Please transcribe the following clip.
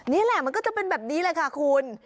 นี่แหละมันก็จะเป็นแบบนี้แหละค่ะคุณ